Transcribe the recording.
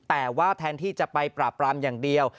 แต่ว่าแทนที่จะไปปราบปรามอย่างเดียว